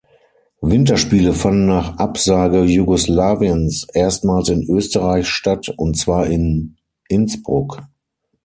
Winterspiele fanden nach Absage Jugoslawiens erstmals in Österreich statt, und zwar in Innsbruck.